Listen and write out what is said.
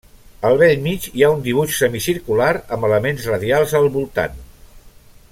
Al bell mig hi ha un dibuix semicircular amb elements radials al voltant.